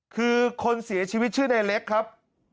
คือคนเสียชีวิตชื่อในเล็กครับ